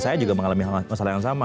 saya juga mengalami masalah yang sama